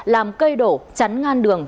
làm cây đổ chắn ngăn đường